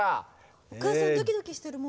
お母さんドキドキしてるもう。